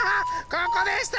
ここでした！